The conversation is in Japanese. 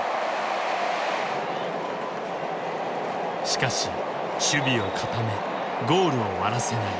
しかし守備を固めゴールを割らせない。